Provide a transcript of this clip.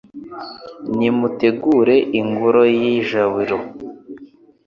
Nimutegure ingoro ye ijabiro